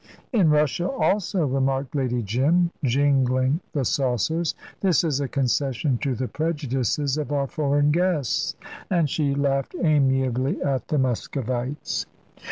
"In Russia, also," remarked Lady Jim, jingling the saucers. "This is a concession to the prejudices of our foreign guests"; and she laughed amiably at the Muscovites.